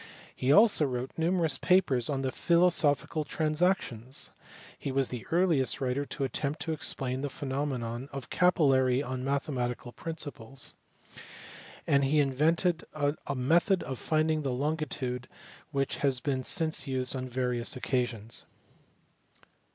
He also wrote numerous papers in the Philosophical Transactions ; he was the earliest writer to attempt to explain the phenomenon of capillarity on mathematical principles ; and he invented a method for finding the longitude which has been since used on various occasions.